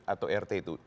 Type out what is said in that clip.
atau rt itu